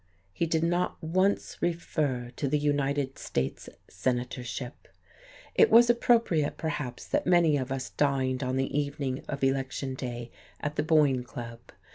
He did not once refer to the United States Senatorship. It was appropriate, perhaps, that many of us dined on the evening of election day at the Boyne Club.